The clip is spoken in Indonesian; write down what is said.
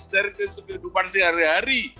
dari kehidupan sehari hari